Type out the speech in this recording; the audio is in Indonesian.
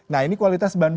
nah ini kualitas bahan baku